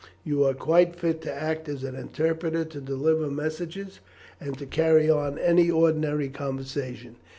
You are quite fit to act as an interpreter to deliver messages, and to carry on any ordinary conversation.